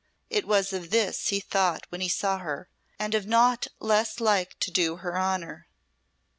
It was of this he thought when he saw her, and of naught less like to do her honour.